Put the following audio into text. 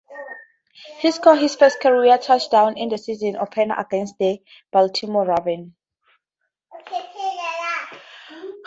He scored his first career touchdown in the season opener against the Baltimore Ravens.